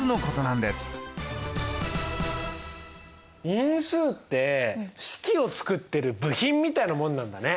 因数って式を作ってる部品みたいなもんなんだね。